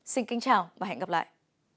xin kính chào và hẹn gặp lại